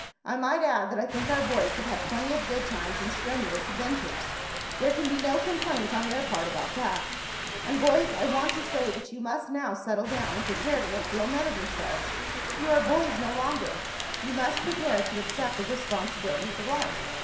"I might add that I think our boys have had plenty of good times and strenuous adventures. There can be no complaint on their part about that. And, boys, I want to say that you must now settle down and prepare to make real men of yourselves. You are boys no longer you must prepare to accept the responsibilities of life.